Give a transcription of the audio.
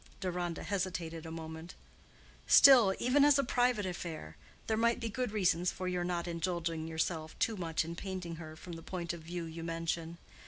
Deronda hesitated a moment. "Still, even as a private affair, there might be good reasons for your not indulging yourself too much in painting her from the point of view you mention.